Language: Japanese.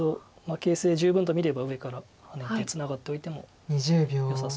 形勢十分と見れば上からハネてツナがっておいてもよさそうですし。